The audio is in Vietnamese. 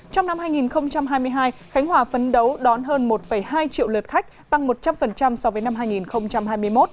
trong năm hai nghìn hai mươi hai khánh hòa phấn đấu đón hơn một hai triệu lượt khách tăng một trăm linh so với năm hai nghìn hai mươi một